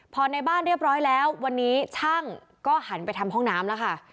พอในบ้านเรียบร้อยแล้ววันนี้ช่างก็หันไปทำห้องน้ำแล้วค่ะ